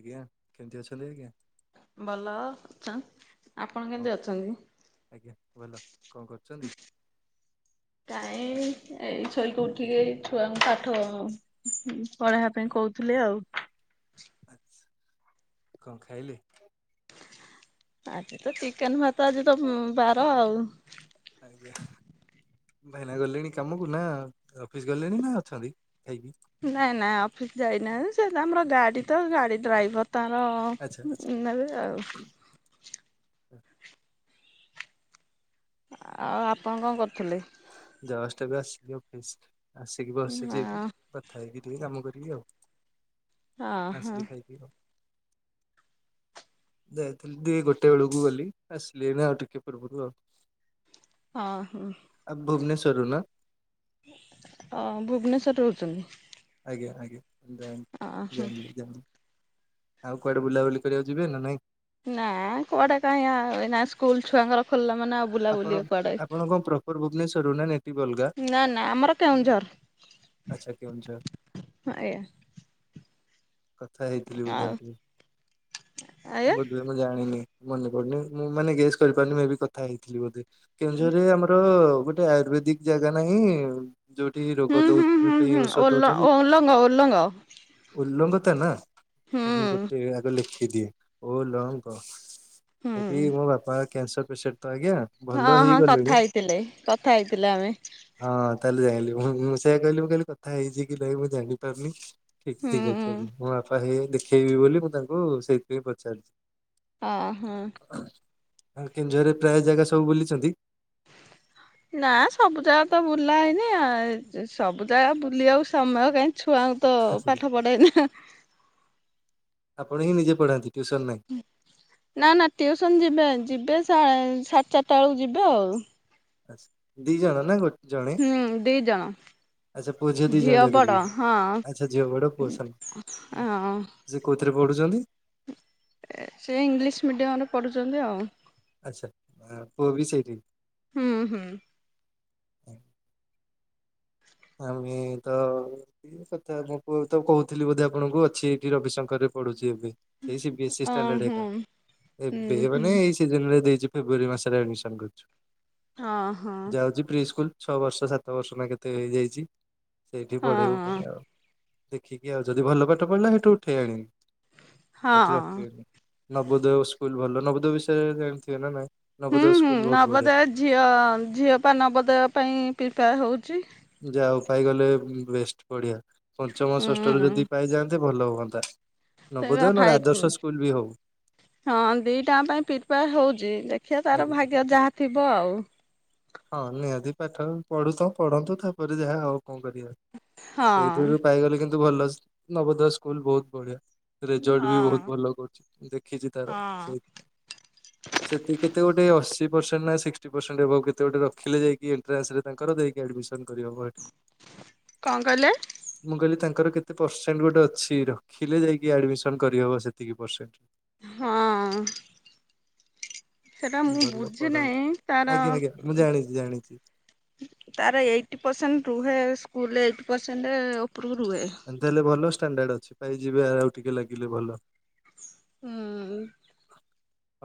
ଆଜ୍ଞା କେମିତି ଅଛନ୍ଥି ଆଜ୍ଞା? ଭଲ ଅଛ ଆପଣ କଣ କେମିତି ଆଜ୍ଞା ଭଲ କଣ କରୁଛନ୍ତି? ଅଛନ୍ତି? କାଇଁ ଏଇ ଛଇକୁ ଉଠିକିଇ ଛୁଆଙ୍କୁ କାଠ ପଢେଇବା ପାଇଁ କହୁଥିଲେ ଆଉ। ଆଛା କଣ ଖାଇଲେ? ଆଜି ତ ଚିକେନ ଭାତ ଆଜି ତ ବାର ଆଉ। ଆଜ୍ଞା ଭାଇନା ଗଲେଣି କାମକୁ ନା ଅଫିସ ଗଲେଣି ନା ଅଛନ୍ତି ଖାଇକି? ନାଇଁ ନାଇଁ ଅଫିସ ଯାଇନାହିଁ ସେ ଆମର ଗାଡି ତ ଗାଡି ଡ୍ରାଇଭର ତର ଆଚ୍ଛା ଆଚ୍ଛା ନେବେ ଆଉ [inaudible] ଆଉ ଆପଣ କଣ କରୁଥିଲେ? ଜଷ୍ଟ ଏବେ ଆସିଲି ଅଫିସରୁ ଆସିକି ବସଛି ଏଠି ହଁ କଥା ହେଇକି ଟ କାମ କରିକି ଆଉ ହଁ ଆସିଲି ଖାଇକି ଆଉ। ଯାଇଥିଲି ଦୁଇ ଗୋଟେ ବେଳକୁ ଗଲି ଆସିଲିଣି ଆଉ ଟିକେ ପୂର୍ବରୁ ଆଉ। ହ ହ। ତରୁ ନା ଅ ଭୁବନେଶର ରେ ରହୁଛନ୍ତି? ଆଜ୍ଞା ଆଜ୍ଞା ଜାଣିଲି ଓହୋ ଜାଣିଲି ଆଉ କୁଆଡେ ବୁଲାବୁଲି କରିବାକୁ ଯିବେ ନା ନାଇଁ? ନା କୁଆଡେ କାଁ ଏ ସ୍କୁଲ ଛୁଆଙ୍କର ଖୋଲିଲ ମାନେଉ ଆପଣ ବୁଲାବୁଲି କର ଆପଣ କଣ ପ୍ରପର ଭୁବନେଶ୍ୱରରୁ ନା ନେଟିଭ ଅଲଗା ନା ନା ଆମର କେଉଁଝର। ଆଚ୍ଛା କେଉଁ ଝର। ଆଜ୍ଞା କଥା ହେଇଥିଲି ବଧେ ଆଉ ଟୁ ଆଜ୍ଞା ବଧେ ମୁଁ ଜାଣିନି ମନେ ପଡୁନି ମୁଁ ମାନେ ଗେସ୍ କରିପାରୁନି ମୁଁ ଏ କଥା ହେଇଥିଲି ବୋଧେ କେଉଁଝରରେ ଆମର ଗୋଟେ ଆୟୁର୍ବେଦିକ ଜାଗା ନାହିଁ ଯୋଉଠି ହୁଁ ରୋଗ ଦଉ ହୁଁ ହୁଁ ପାଇଁ ହୁଁ ଔଷଧ ଓଲ ଦଉଛନ୍ତି ଓଲଙ୍ଗ ଓଲଙ୍ଗ ଉଲଙ୍ଗତା ନା। ହୁଁ ମୁଁ ଗୋଟେ ଆଗ ଲେଖିଦିଏ ଓ ଲହ କହ ହୁଁ ସେଠି ମୋ ବାପା କ୍ୟାସର ପେସଣ୍ଟ ତ ଆଜ୍ଞା ଭଲ ହଁ ହଁ କଥା ହେଇଗଲେଣି ହେଇଥିଲେ କଥା ହେଇଥିଲେ ଆମେ ହଁ ତାହେଲେ ଯାଣିଲି ହଁ ମୁଁ ସେୟା କହିଲି ମୁଁ କାିଲଲି କଥା ହେଇଛି କି ଲ ମୁଁ ଜାଣିପାରୁନି ଠିକ ହୁଁ ଠିକ୍ ଅଛି ଆଜ୍ଞା ହଁ ମୋ ବାପା ହେଇ ଦେଖେଇବି ବୋଲି ମୁଁ ତାଙ୍କୁ ସେଇଥିପାଇଁ ପଚାରିଛି। ହଁ ହଁ। କେଉଁଝରେ ପ୍ରାୟ ଜାଗା ସବୁ ବୁଲିଛନ୍ତି? ନା ସବୁ ଜାଗା ତ ବୁଲା ହେଇନି ସବୁ ଜାଗା ବୁଲିବାକୁ ସମୟ କାହିଁ? ଛୁଆଙ୍କୁ ତ ପାଠ ପଢାଏନା। ଆପଣ ହିଁ ନିଜେ ପଢାନ୍ତି? ଟ୍ୟୁସନ ନାହିଁ ନା ନା ଟିଉସନ ଯିବେ ଯିବେ ସାଢ଼େ ଚାରିଟା ବେଳକୁ ଯିବେ ଆଉ ଆ ଦି ଜଣ ନା ଗୋଟେ ହୁଁ ଦିଇ ଜଣ। ଆଛା ପୁଅ ଝିଅ ଦି ଜଣ ଯାଗ ବଡ ଯିବେ ହଁ ଆଛା ଝିଅ ବଡ ପୁଅ ସାନ ହଁ [unintelligible] କେଉଁଥିରେ ପଢୁଛନ୍ତି? ସେ ଇଂଲିଶ ମିଡିୟମ ରେ ପଢୁଛନ୍ତି ଆଉ ଆଛା ଓ ପୁଅ ବି ସେଇଠି? ହୁଁ ହୁଁ। ହୁଁ [inaudible] ଆମେ ତ ଇ କଥା ମୁଁ ତ କହୁଥିଲି ବୋଧେ ଆପଣଙ୍କୁ ଅଛି ଏଠି ରବିଶଙ୍କର ରେ ପଡୁଛି। ବିଜେପି ଏଇ ସିବିଏସ୍ଇ ଅ ଷ୍ଟାଣ୍ଡାର୍ଡ ହଁ ହୁଁ [unintelligible] ହୁଁ ମାନେ ଏଇି ସିଜିନ୍ ରେ ଦେଇଛି। ଫେବୃୟାରୀ ମାସରେ ଆଡ୍ମମିଶନ୍ କରୁଛି ହଁ ହଁ ଯାଉଛି ପ୍ରି ସ୍କୁଲ ଛଅ ବର୍ଷ ସାତ ବର୍ଷ ନା କେତେ ହେଇଯାଇଛି ସେଇଠି ପଢେଇବୁ ପୁଣି ଆଉ ଦେଖିକି ଆଉ ଯଦି ଭଲ ପାଠ ପଢିଲା ସେଇଠୁ ଉଠେଇ ଆଣିବି ହଁ ସେଠି ହଁ। ରଖିବେନି ନବୋଦୟ ସ୍କୁଲ ଭଲ ନବୋଦୟ ବିଷୟରେ ଜାଣିଥିବେ ନା ନାଇଁ ହୁଁ ନବୋଦୟ ହୁଁ ସ୍କୁଲ ବହୁତ ବଢିଆ ନବଦୋୟ ଝିଅ ଝିଅ ପା ନବଦୋୟ ପାଇଁ ପ୍ରିପାୟାର୍ ହଉଛି। ଯାା ହଉ ପାଇଗଲେ ବେଷ୍ଟ ବଢିଆ ପଞ୍ଚମ ଷଷ୍ଠରେ ହୁଁ ଯଦି ପାଇଯାଆନ୍ତେ ଭଲ ହୁଅନ୍ତା। ସେ ବା ନବୋଦନ ନ ହେଲେ ଫାଇଭ୍ ଆଦର୍ଶ ସ୍କୁଲ ବି ହଉ। ହଁ ଦିଟାଙ୍କ ପାଇଁ ପପ୍ରିପାୟାର୍ ହଉଛି ଦେଖିବା ତାର ଆଜ୍ଞା ଭାଗ୍ୟ ଯାହା ଥିବ ଆଉ। ହଁ ନିହାତି ପାଠ [unintelligible] ପଢୁଥାଉ ପଢନ୍ତୁ ତାପରେ ଯାହା ଆଉ କଣ କରିବା ହଁ ସେଇଥିରୁ ପାଇଗଲେ କିନ୍ତୁ ଭଲ ନବୋଦୟ ସ୍କୁଲ ବହୁତ ବଢିଆ ରେଜଲର୍ଟ ହଁ ବି ବହୁତ ଭଲ କରୁଛି ଦେଖିଛି ତାର ହଁ। ସେଇଥିପାଇଁ ସେତିକି କେତେ ଗୋଟେ ଅ [unintelligible] ପର୍ସେଣ୍ଟ୍ ନା ସିକ୍ସଟି ପର୍ସେଣ୍ଟ ଏବଭ୍ କେତେ ଗୋଟେ ରଖିଲେ ଯାଇଁକି ଏଣ୍ଟ୍ରାନ୍ସ୍ ରେ ତାଙ୍କର ଯାଇଁକି ଆଡମିସନ କରି ହବ ଏଠି [unintelligible] କଣ କହିଲେ? ମୁଁ କହିଲି ତାଙ୍କର କେତେ ପରସେଣ୍ଟ ଗୋଟେ ଅଛି ରଖିଲେ ଯାଇକି ଆଡମିସନ କରିହବ ସେତିକି ପରସେଣ୍ଟ ହଁ। ସେଟା ମୁଁ ଭଲ ବୁଝି ପଢାନ୍ତୁ ନାହିଁ ତାର ଆଜ୍ଞା ଆଜ୍ଞା ମୁଁ ଜାଣିଛି ଜାଣିଛି। ତାର ଏଇଟି ପରସେଣ୍ଟ ରୁହେ ସ୍କୁଲ ରେ ଏଇଟି ପରସେଣ୍ଟ। ଉପରକୁ ରୁହେ। ଏ ତାହଲେ ଭଲ ଷ୍ଟାଣ୍ଡାର୍ଡ ଅଛି ପାଇ ଯିବେ ଆଉ ଟିକେ ଲାଗିଲେ ଭଲ ହୁଁ।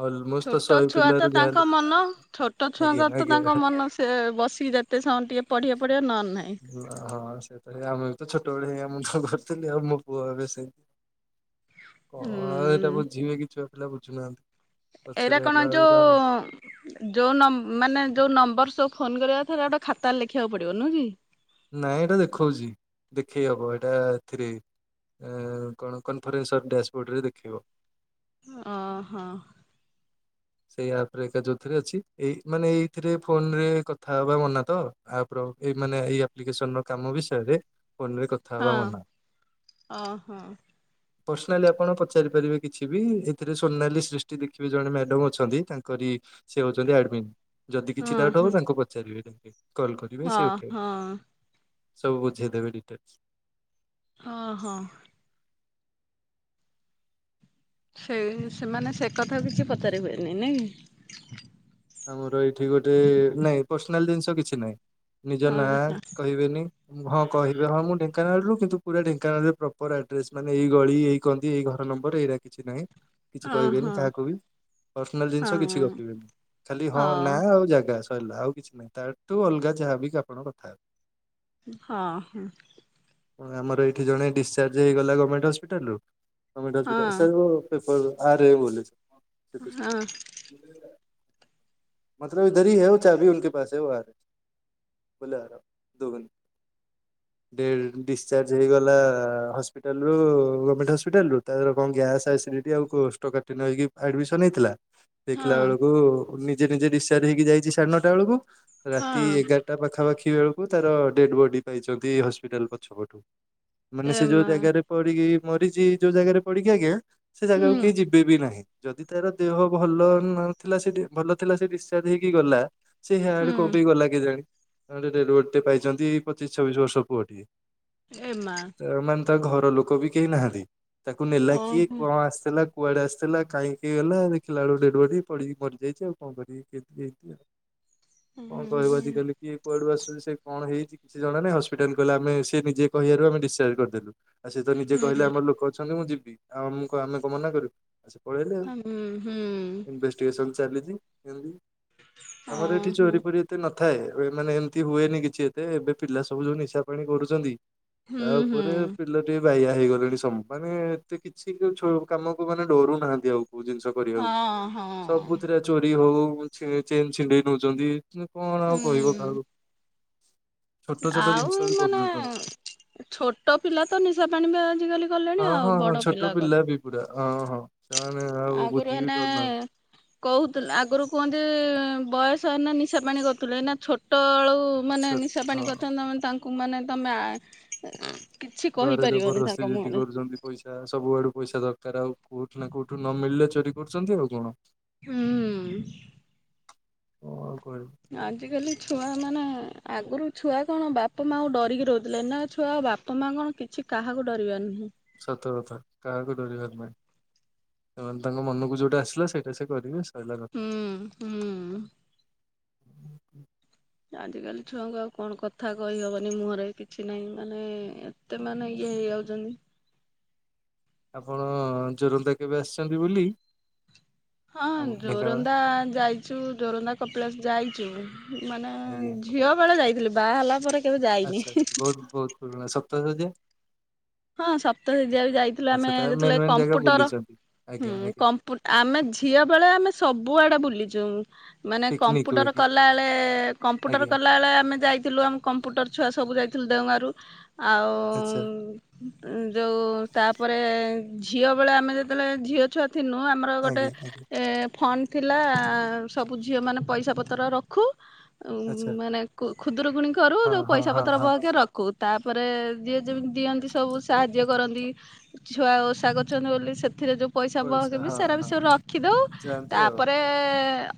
ଅଲମୋଷ୍ଟ ତ ଛୋଟ ଶହେ ଛୁଆ ତ ପିଲାରୁ ତାଙ୍କ ଯାହାହେଲେ ମନ ଛୋଟ ଆଜ୍ଞା ଛୁଆଙ୍କର ତ ତାଙ୍କ ଆଜ୍ଞା। ମନ ସେ ବସିି ଯେତେ ସମୟ ଟିକେ ପଢିବା ପଢିବା ନହେଲେ ନାହିଁ। ନା ହଁ ସେଟ ଆମେ ବି ତ ଛୋଟବେଳେ ଏୟା ମୁଁ ତ କରିଥିଲି ଆଉ ମୋ ପୁଅବେ ସେଇ କଣ ଆଉ ଏଇଟା ଉଁ ବୁଝିବେ [unintelligible] କିଛୁ ପିଲା ବୁଝୁନାହାନ୍ତି। ଏଇଟ ପଛରେ କଣ ହେଲା ବେଳକୁ ଆଉ ନାଇଁ। ଯୋଉ ଯୋଉ ମାନେ ଯୋଉ ନମ୍ବର ସବୁ ଫୋନ କରିବା ଥରେ ଗୋଟେ ଖାତାରେ ଲେଖିବାକୁ ପଡିବ ନୁହଁ କି? ନାଇଁ ଏଇଟା ଦେଖଉଛି ଦେଖେଇ ହବ ଏଇଟା ଏଥିରେ କଣ କନଫରେନ୍ସର ଡ୍ୟାସବୋର୍ଡରେ ଦେଖେଇିବ ଓ ହୋ। ସେଇ ଆପ ରେ ଏକା ଯୋଉଥିରେ ଅଛି ଏଇ ମାନେ ଏଇଥିରେ ଫୋନ ରେ କଥା ହବା ମନା ତ ଆପର ଏଇ ମାନେ ଏଇ ଆପ୍ଲିକେସନର କାମ ବିଷୟରେ। ଫୋନ୍ ରେ କଥା ହଁ ହେବା ମନା । ଓହୋ ପର୍ସନାଲି ଆପଣ ପଚାରି ପାରିବେ? କିଛି ବି ଏଥିରେ ସୋନାଲି ସୃଷ୍ଟି ଦେଖିବେ ଜଣେ ମ୍ୟାଡାମ ଅ ଯଦି ତାଙ୍କରି ସେ ହଉଛନ୍ତି ଆଡମିନ୍। ଯଦି କିଛି ହଁ ଡାଉଟ୍ ହଁ ହବ ତାଙ୍କୁ ପଚାରିବେ କିନ କଲ କରିବେ ହଁ ସେ ଉଠେଇବେ ହଁ। ସବୁ ବୁଝେଇ ଦେବେ ଡିଟେଲସ୍। ହଁ ହଁ। ସେଇ ସେମାନେ ସେ କଥା କିଛି ପଚାରିବେନି ନାଇଁ। ଆମର ଏଇଠି ଗୋଟେ ନାଇଁ ପର୍ସନାଲ ଜିନିଷ କିଛି ନାଇଁ। ନିଜ ହଁ ନାଁ କହିବେନି । ହଁ କହିବେ ହଁ ମୁଁ ଢେଙ୍କାନାଳରୁ। କିନ୍ତୁ ପୁରା ଢେଙ୍କାନାଳରେ ପ୍ରପର୍ ଆଡ୍ରେସ୍ ମାନେ ଏଇ ଗଳି ଏଇ କନ୍ଦି ଏଇ ଘ ନମ୍ବର ଏଇରା କିଛି ନାହିଁ । କିଛି ହଁ କହିବେନି ହଁ କାହାକୁ ବି ପର୍ସନାଲ ଜିନିଷ କିଛି ହଁ। ଗପିବେନି। ଖାଲି ହଁ ନାଁ ଆଉ ଜାଗା । ଗା ଶରିଲା ଆଉ କିଛି ନାହିଁ। ତାଠୁ ଅଲଗା ଯାହାବି କି ଆପଣଙ୍କ କଥା ହେବେ । ହଁ ହୁଁ । ହଁ ଆମର ଏଇଠି ଜଣେ ଡିସଚାର୍ଜ ହେଇଗଲା ଗମେଣ୍ଟ ହସ୍ପିଟାଲରୁ। ଗମେଣ୍ଟ୍ ହସ୍ପିଟାଲ୍ ହଁ ରୁ ସେ [unintelligible] ଆରେ ବୋଲୁଚ । ହଁ । [unintelligible] ବୁଲା ର ଦୋଉନି। ଟେ ଡିସଚାର୍ଜ ହେଇଗଲା। ହସ୍ପିଟାଲ ରୁ ଗମେଣ୍ଟ ହସ୍ପିଟାଲରୁ। ତାପରେ କଣ ଗ୍ୟାସ୍ ଆସି ହେଠୀ ଆଉ କୋଷ୍ଟକାଠିନ୍ୟ ହେଇକି ଆଡମିସନ୍ ହେଇଥିଲା । ଦେଖିଲା ହଁ। ବେଳକୁ ନିଜେ ନିଜେ ଡିସଚାର୍ଜ ହେଇକି ଯାଇଚି ସାଢେ ନଅଟା ବେଳକୁ। ରାତି ହଁ ଏଗାରଟା ପାଖାପାଖି ଦେଖିଲାବେଳକୁ ତାର ଡେଡ୍ ବଡି ପାଇଛନ୍ତି ହସ୍ପିଟାଲ ପଛପଟୁ । ମାନେ ଏ ସେ ଯୋଉ ମା ଜାଗାରେ ପଡିକି ମରିଚି। ଯୋଉ ଜାଗାରେ ପଡିକି ଆଜ୍ଞା ସେ ହୁଁ ଜାଗାକୁ କେହି ଯିବେ ବି ନାହିଁ। ଯଦି ତାର ଦେହ ଭଲ ନଥିଲା ସେଠି ଭଲ ଥିଲା ସେ ଡିସଚାର୍ଜ ହେଇକି ଗଲା। ସେ ହିଆଡେ କଁ ହୁଁ ପାଇଁ ଗଲା କେଜାଣି । [unintelligible] ପାଇଛନ୍ତି ପଚିଶ ଛବିଶ ବର୍ଷ ପୁଅ ଟିଏ। ଏ ମା। ତା ଘର ଲୋକ ବି କେହି ନାହାନ୍ତି। ତାକୁ ନେଲା କିଏ ଓହୋ କଣ ଆସିଥିଲା। କୁଆଡେ ଆସିଥିଲା କାହିଁକି ଗଲା ଦେଖିଲା ବେଳକୁ ଡେଡ୍ ବଡି ପଡ଼ିକି ମରିଯାଇଚି। ଆଉ କଣ କରିବେ ଏମିତି କି ହେଇଚି । ହୁଁ କଣ ହୁଁ କହିବ ଆଜି କାଲି କିଏ କୁଆଡୁ ଆସୁଛି ସେ କଣ ହେଇଚି । କିଛି ଜଣା ନାହିଁ। ହସ୍ପିଟାଲ୍ ଗଲେ ଅ ସେ ନିଜେ କହିବାରୁ ଆମେ ଡିସଚାର୍ଜ କରିଦେଲୁ । ଆଉ ସେ ତ ନିଜେ କହିଲେ ହୁଁ। ଆମର ଲୋକ ଅଛନ୍ତି ମୁଁ ଯିବି। ଆଉ ମୁଁ ଆମେ କଣ ମନା କରିବୁ । ସେ ପଳେଇଲେ ଆଉ। ହୁଁ ହୁଁ ଇନ୍ଭେଷ୍ଟିକେସନ୍ ଚାଲିଚି ଏମତି ଆମର ଏଇଠି ଓହୋ ଚୋରି ଫୋରି ଏତେ ନ ଥାଏ ଏ ମାନେ ଏମିତି ହୁଏନି କିଛି ଏତେ। ଏବେ ପିଲା ସବୁ ଯୋଉ ନିଶା ପାଣି କରୁଚନ୍ତି । ହୁଁ ତା ହୁଁ ଉପରେ ପିଲାଟି ବାୟା ହେଇଗଲେଣି ସମୁ ମାନେ ଏତେ କିଛି କୋଉ ଛୁ କାମକୁ ମାନେ ଡରୁ ନାହାନ୍ତି ଆଉ । କୋଉ ଜିନିଷ କରିଆକୁ ହଁ ସବୁ ହଁ। ରି ହଉ ଛି ଚେନ୍ ଛିଣ୍ଡେଇ ନଉଛନ୍ତି କଣ ଆଉ କହିବ ହୁଁ କାହାକୁ । ଆଉ ଏମାନେ ଛୋଟ ପିଲା ତ ନିଶା ପାଣିବା ଆଜିକାଲି କଲେଣି ହଁ ଆଉ ହଁ ହଁ ବଡ ଛୋଟ କ ପିଲା ବି ପୁରା ହଁ ହଁ । ଆଗରୁ ହେନେ କହୁଥୁ ଆଗରୁ କୁହନ୍ତି ବୟସ ହେନେ ନିଶା ପାଣି କରୁଥିଲେ। ଏଇନେ ଛୋଟଏଳୁ ମାନେ ଛୋ ନିଶା ହଁ। ପାଣି କରୁଛନ୍ତି। ତାଙ୍କ କୁ ମନେ ତମେ ଆଁ ଘରେ ଜବରଦସ୍ତି ଯଦି କରୁଛନ୍ତି। ପଇସା ସବୁଆଡୁ ପଇସା ଦ କାର ଆଉ କୋଉଠୁ ନା କୋଉଠୁ ନ ମିଳିଲେ ଚୋରି କରୁଛନ୍ତି ଆଉ କଣ? ହୁଁ । [inaudible] ଆଜିକାଲି ଛୁଆ ମାନେ ଆଗରୁ ଛୁଆ କଣ ବାପା ମାଆଙ୍କୁ ଡରିକି ରହୁଥିଲେ ଏନା ଛୁଆ ବାପା ମାଆ କଣ କିଛି କାହାକୁ ଡରିବାର ନାହିଁ । ସତକଥା କାହାକୁ ଡରିବାର ନାହିଁ। ସେମାନେ ତାଙ୍କ ମନକୁ ଯୋଉଟା ଆସିଲା ସେଇଟା ସେ କରିବେ। ସାଇଲା କଥା ହୁଁ ହୁଁ। ଆଜି କାଲି ଛୁଆଙ୍କୁ ଆଉ କଣ କଥା କହିହବନି ମୁହଁରେ, କିଛି ନାହିଁ ମାନେ ଏତେ ମାନେ ଇଏ ହେଇ ଯାଉଛନ୍ତି। [inaudible] ଆପଣ ଜୋରନ୍ଦା କେବେ ଆସିଛନ୍ତି ବୁଲି? ହଁ ଆମ ଢେଙ୍କାନାଳ? ଜୋରନ୍ଦା ଯାଇଛୁ ଜୋରନ୍ଦା କପିଳାସ ଯାଇଛୁ। ମାନେ ଝିଅ ବେଳେ ଯାଇଥିଲି ।ବାହା ହେଲା ପରେ କେବେ ଯାଇନି। ଆଛା ଆଛା ବହୁତ ବହୁତ ପୁରୁଣା ସପ୍ତଶଯ୍ୟା। ହଁ ସପ୍ତଶଯ୍ୟା ବି ଯାଇଥିଲୁ, ଆମେ ଆଚ୍ଛା ତା ମେନ୍ ଯେତେବେଳେ ମେନ୍ ଜାଗା କମ୍ପୁଟର ବୁଲିଛନ୍ତି। ହୁଁ ଆଜ୍ଞା ଆଜ୍ଞା କମ୍ପୁ ଆମେ ଝିଅ ବେଳେ ଆମେ ସବୁଆଡେ ବୁଲି ମାନେ ପିକନିକ ହୁଏ କମ୍ପୁଟର କି? କଲା ବେଳେ କମ୍ପୁଟର ଆଜ୍ଞା କଲା ବେଳେ ଆମେ ଯାଇଥିଲୁ। ଆମ କମ୍ପୁଟର ଛୁଆ ସବୁ ଯାଇ ଲୁ ଦେଓଗାଁ ରୁ ଆଉ ଆଚ୍ଛା ଉ ଯୋଉ ତାପରେ, ଝିଅ ବେଳେ ଆମେ ଯେତେବେଳେ ଝିଅ ଛୁଆ ଥିନୁ ଆମର ଗୋଟେ ଆଜ୍ଞା ଆଜ୍ଞା ଏ ଫଣ୍ଡ ଥିଲା ସବୁ ଝିଅ ମାନେ ପଇସା ପତ୍ର ରଖୁ ଉ ଆଚ୍ଛା ମାନେ ଖୁଦରୁକୁଣୀ କରୁ ହଁ ଯୋଉ ହଁ ପଇସା ହଁ ପତ୍ର ହଁ ବହକେ ରଖୁ। ତାପରେ ଯିଏ ଯେମିତି ଦିଅନ୍ତି, ସ ସବୁ ସାହାଯ୍ୟ କରନ୍ତି। ଛୁଆ ଓଷା କରୁଚନ୍ତି ବୋଲି ସେଥିରେ ଯୋଉ ପଇସା ପାଅ କେବେ ହଁ ସେରା ବି ହଁ। ସବୁ ରଖିଦଉ, ଯାଆନ୍ତି ଆଉ ତାପରେ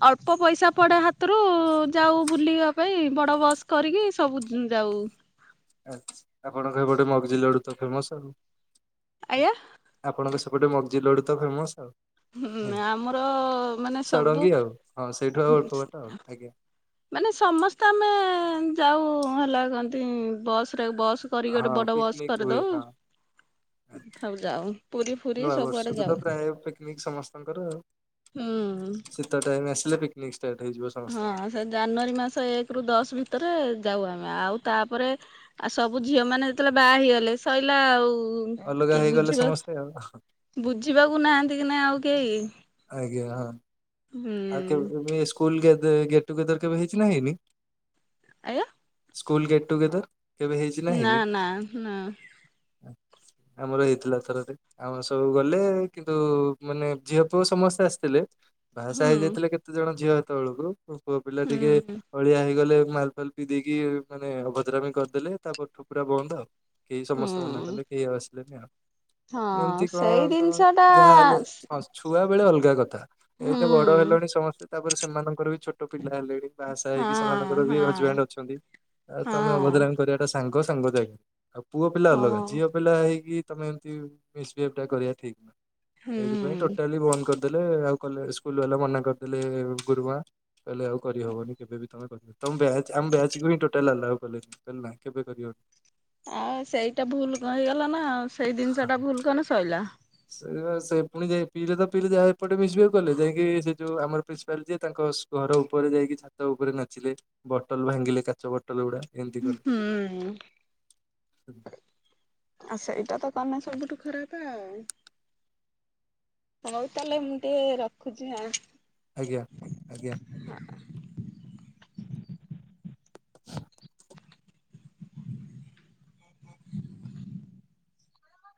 ଅଳ୍ପ ପଇସା ପଡେ ହା ତ୍ରୁ ଯାଉ ବୁଲିବା ପାଇଁ ବଡ ବସ୍ କରିକି ସବୁ ଯୁ ଯାଉ। ଆଛ୍ ଆପଣଙ୍କର ଗୋଟେ ମଗଜିଡୁ ତ ଫେମସ ଆଉ ଆଜ୍ଞା ଆପଣଙ୍କ ସେ ଗୋଟେ ମଗ୍ଜି ଲଡୁ ତ ଫେମସ ଆଉ ଗୋ ହୁଁ ଆମର ମାନେ ସବୁ ଷଡଙ୍ଗୀ ଆଉ ହଁ ସେଇଠୁ ଆଉ ଅଳ୍ପ ବାଟ ଆଉ ଆଜ୍ଞା ମାନେ ସମସ୍ତେ ଆମେ ଯାଉ ହେଲା କନ୍ତି ବସ୍ରେ ବସ୍ କରିକି ଗଟେ ହଁ ବଡ ବସ୍ ପିକନିକ ହୁଏ କରିଦଉ। ହଁ। ଆଉ ଯାଉ ପୁରୀ ଫୁରି ନୂଆ ସବୁଆଡେ ବର୍ଷକୁ ତ ଯାଉ। ପ୍ରାୟ ପିକନିକ ସମସ୍ତଙ୍କର ଆଉ। ହୁଁ। ଶୀତ ଟାଇମ ଆସିଲେ ପି ହଁ ସେ ଜାନୁଆରୀ ମାସ ଏକ୍ ରୁ ଦଶ୍ ଭିତରେ ଯାଉ ଆମେ ଆଉ ତାପରେ ଆଉ ସବୁ ଝିଅ ମାନେ ଯେତେବେଳେ ବାହା ହେଇଗଲେ ସଇଲା ଆଉ ଉ ଅଲଗା କିଏ ହେଇଗଲେ ବୁଝିବା ସମସ୍ତେ ଆଉ ବୁଝିବାକୁ ନାହାଁନ୍ତି କି ନା ଆଉ କେହି ଆଜ୍ଞା ହଁ ଆଉ ହୁଁ କେବେକେବେ ସ୍କୁଲ ଗେଟ ଗେଟ୍ଟୁଗେଦର କେବେ ହେଇଚି ନା ହେଇନି? ଆଜ୍ଞା। ସ୍କୁଲ ଗେଟ୍ ଟୁଗେଦର୍ ନା ନା ନା। ଆମର ହେଇଥିଲା ଥରରେ ଆମର ସବୁ ଗଲେ କିନ୍ତୁ ମାନେ ଝିଅ ପୁଅ ସମସ୍ତେ ଆସିଥିଲେ। ବାହାଷାହା ହୁଁ ହେଇଯାଇଥିଲେ କେତେ ଜଣ ଝିଅ ଏତଳକୁ ପୁ ପୁଅ ପିଲା ଟିକେ ହୁଁ ଅଳିଆ ହେଇଗଲେ ମାଲ ଫାଲ୍ ପି ଦେଇକି ମାନେ ଅଭଦ୍ରାମି କରିଦେଲେ। ତାପର୍ଠୁ ପୁରା ବନ୍ଦ ଆଉ। କେହି ସମସ୍ତେ ମନା ହୁଁ କଲେ। କେହି ଆଉ ଆସିଲେନି ଆଉ। ଏମ୍ତି ହଁ କଣ ସେଇ କ ଜିନିଷ ଟା ଯାହା ହେଲେ ସ ଛୁଆ ବେଳେ ଅଲ୍ଗା କଥା ହୁଁ ଏତେ ବଡ ହେଲାଣି ସମସ୍ତେ ତାପରେ ସେମାନଙ୍କର ବି ଛୋଟ ପିଲା ହେଲେଣି, ବାହାସାହା ହଁ ହେଇକି ସେମାନଙ୍କର ବି ହଁ ହଜବେଣ୍ଡ ଅଛନ୍ତି ।ଆଉ ତମେ ହଁ ଅଭଦ୍ରାମି କରିବାଟା ସାଙ୍ଗ ସାଙ୍ଗ ଯାଗି ଆଉ ପୁଅ ପିଲା ଅଲଗା ହଁ ଝିଅ ପିଲା ହେଇକି ତମେ ଏମତି ମିସବିହେବ ଟା କରିବା ଠିକ, ସେଇଥିପାଇଁ ଟୋ ହୁଁ କରିଦେଲେ ଆଉ କଇଲେ ସ୍କୁଲ ବାଲା ମନା କରିଦେଲେ। ଗୁରୁମା କହିଲେ ଆଉ କରିହବନି କେବେ ବି ତମେ କ ତମ ବ୍ୟାଚ୍ ଆମ ଵ୍ୟାଚକୁ ହିଁ ଟୋଟାଲ ଆଲାଉ କଲେନି କହିଲ ନା କେବେ କରିହବନି। ଆଉ ସେଇଟା ଭୁଲ କ ହେଇଗଲା ନା, ସେଇ ଜିନିଷ ଟା ଭୁଲ କନେ ଶଇଲା। ସେ ସେ ପୁଣି ଯ ପିଲେ ତ ପିଲ ଯାହା ଏପଟେ ମିସିହେଭ କଲେ ଯାଇକି ସେ ଯୋଉ ଆମର ପ୍ରିନ୍ସିପାଲ ଯିଏ ତାଙ୍କ ଘର ଉପରେ ଯାଇକି ଛାତ ଉପରେ ନାଚିଲେ ବଟଲ ଭାଙ୍ଗିଲେ କାଚ ବଟଲ ଗୁଡା ଏମତି କଲେ। ହୁଁ କାହ୍ନା ସବୁଠୁ ଖରାପ ଆଉ। ହଉ ତାହେଲେ ମୁଁ ଟିକେ ରଖୁଛି ଆ ଆଜ୍ଞା ଆଜ୍ଞା।